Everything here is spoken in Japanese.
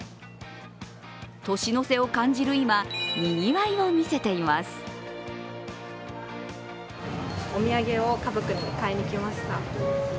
年の瀬を感じる今、にぎわいを見せています。